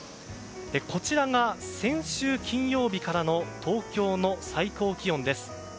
こちらが先週金曜日からの東京の最高気温です。